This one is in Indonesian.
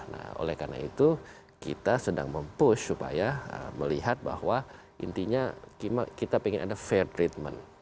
nah oleh karena itu kita sedang mempush supaya melihat bahwa intinya kita ingin ada fair treatment